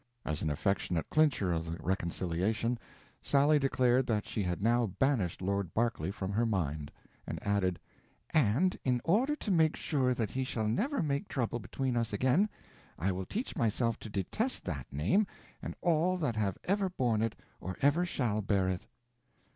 As an affectionate clincher of the reconciliation, Sally declared that she had now banished Lord Berkeley from her mind; and added, "And in order to make sure that he shall never make trouble between us again, I will teach myself to detest that name and all that have ever borne it or ever shall bear it."